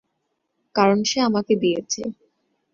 কারণ সে আমাকে দিয়েছে।